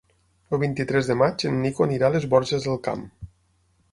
El vint-i-tres de maig en Nico anirà a les Borges del Camp.